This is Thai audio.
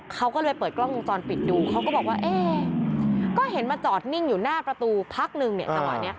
เขาก็เลยเปิดกล้องวงจรปิดดูเขาก็บอกว่าเอ๊ก็เห็นมาจอดนิ่งอยู่หน้าประตูพักนึงเนี่ยจังหวะนี้